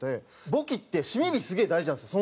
簿記って締め日すげえ大事なんですよ